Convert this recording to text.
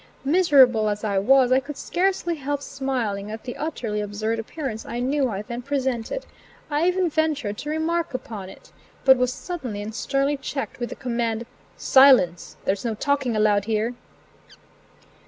Miserable as I was, I could scarcely help smiling at the utterly absurd appearance I knew I then presented. I even ventured to remark upon it; but was suddenly and sternly checked with the command: "Silence! There's no talking allowed here."